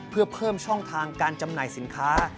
เพื่อเพิ่มช่องทางการจำหน่ายสินค้า